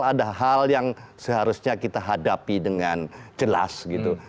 ada hal yang seharusnya kita hadapi dengan jelas gitu